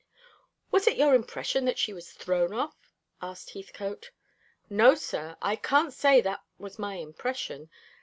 "Was it your impression that she was thrown off?" asked Heathcote. "No, sir. I can't say that was my impression.